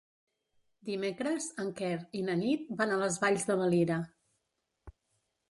Dimecres en Quer i na Nit van a les Valls de Valira.